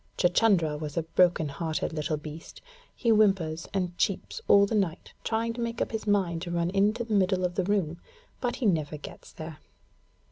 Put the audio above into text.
Chuchundra is a broken hearted little beast, He whimpers and cheeps all the night, trying to make up his mind to run into the middle of the room, but he never gets there.